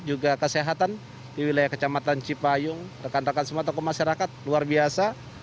juga kesehatan di wilayah kecamatan cipayung rekan rekan semua tokoh masyarakat luar biasa